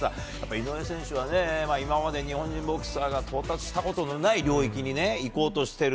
井上選手は今まで日本人ボクサーが到達したことがない領域に行こうとしている。